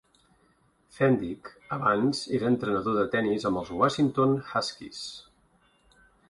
Fendick abans era entrenador de tenis amb els Washington Huskies.